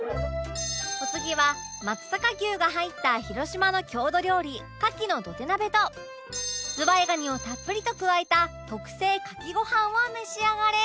お次は松阪牛が入った広島の郷土料理牡蠣の土手鍋とズワイガニをたっぷりと加えた特製牡蠣ご飯を召し上がれ